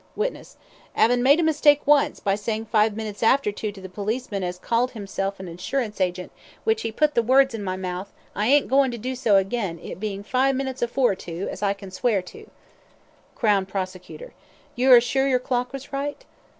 WITNESS: 'Avin made a mistake once, by saying five minutes after two to the policeman as called hisself a insurance agent, which 'e put the words into my mouth, I ain't a goin' to do so again, it bein' five minutes afore two, as I can swear to. CROWN PROSECUTOR: You are sure your clock was right?